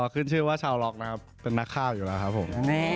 ขึ้นชื่อว่าชาวล็อกนะครับเป็นนักข้าวอยู่แล้วครับผม